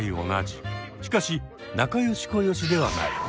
しかし仲良しこよしではない。